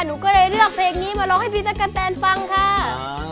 หนูก็เลยเลือกเพลงนี้มาร้องให้พี่ตั๊กกะแตนฟังค่ะ